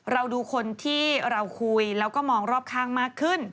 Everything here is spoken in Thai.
เราดูคนที่เราคุยแล้วก็มองรอบข้างมากขึ้น